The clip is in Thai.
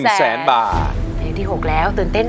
คุณยายแดงคะทำไมต้องซื้อลำโพงและเครื่องเสียง